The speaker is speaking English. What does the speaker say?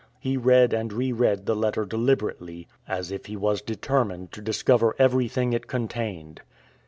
He read and re read the letter deliberately, as if he was determined to discover everything it contained.